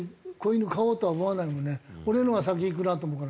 俺のほうが先逝くなあと思うから。